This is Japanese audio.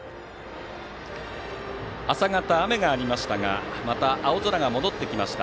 朝方、雨がありましたがまた青空が戻ってきました。